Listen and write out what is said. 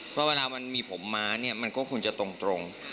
เพราะเวลามันมีผมม้าเนี่ยมันก็คงจะตรง